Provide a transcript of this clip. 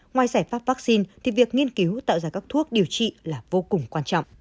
ngoài giải pháp vaccine thì việc nghiên cứu tạo ra các thuốc điều trị là vô cùng quan trọng